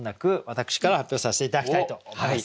私から発表させて頂きたいと思います。